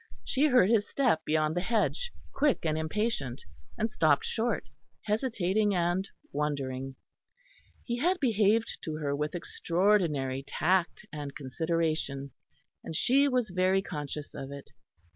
She heard his step beyond the hedge, quick and impatient, and stopped short, hesitating and wondering. He had behaved to her with extraordinary tact and consideration, and she was very conscious of it.